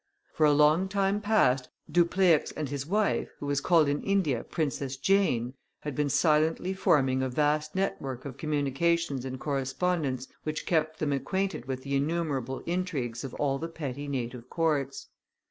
For a long time past Dupleix and his wife, who was called in India Princess Jane, had been silently forming a vast network of communications and correspondence which kept them acquainted with the innumerable intrigues of all the petty native courts.